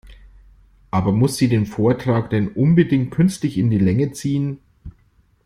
Aber muss sie den Vortrag denn unbedingt künstlich in die Länge ziehen?